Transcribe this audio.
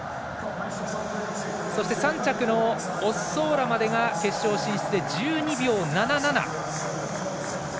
そして３着のオッソーラまでが決勝進出で１２秒７７。